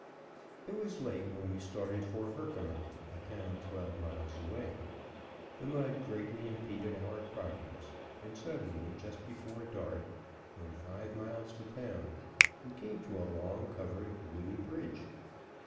It was late when we started for Herkimer, a town twelve miles away. The mud greatly impeded our progress and, suddenly, just before dark, when five miles to town, we came to a long, covered, wooden bridge.